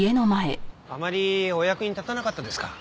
あまりお役に立たなかったですか？